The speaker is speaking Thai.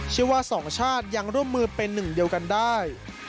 เชื่อว่าสองชาติยังร่วมมือเป็นหนึ่งเดียวกันได้